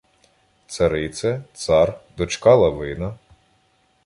Царице, цар, дочка Лавина